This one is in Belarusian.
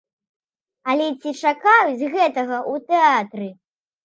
Але ці чакаюць гэтага ў тэатры?